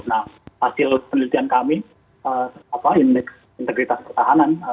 nah hasil penelitian kami integritas pertahanan